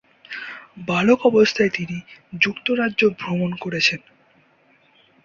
বালক অবস্থায় তিনি যুক্তরাজ্য ভ্রমণ করেছেন।